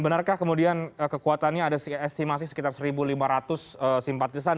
benarkah kemudian kekuatannya ada estimasi sekitar satu lima ratus simpatisan